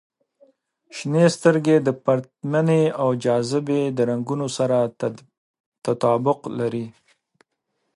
• شنې سترګې د پرتمینې او جاذبې د رنګونو سره تطابق لري.